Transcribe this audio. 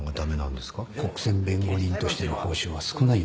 国選弁護人としての報酬は少ないんです。